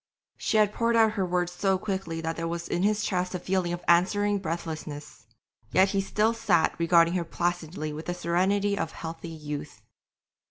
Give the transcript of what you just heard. She had poured out her words so quickly that there was in his chest a feeling of answering breathlessness, yet he still sat regarding her placidly with the serenity of healthy youth.